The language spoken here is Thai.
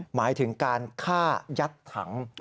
หมายถึงการฆ่ายัดถัง